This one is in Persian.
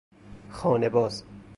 خانه باز